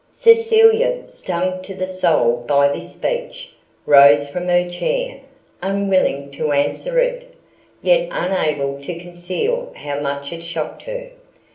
Cecilia, stung to the soul by this speech, rose from her chair, unwilling to answer it, yet unable to conceal how much it shocked her.